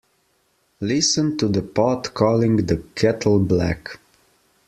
Listen to the pot calling the kettle black.